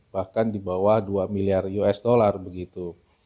bahkan di bawah dua miliar usd begitu